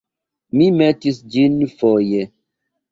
Mi metis ĝin foje.